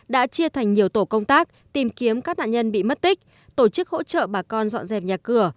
đã chia thành nhiều tổ công tác tìm kiếm các nạn nhân bị mất tích tổ chức hỗ trợ bà con dọn dẹp nhà cửa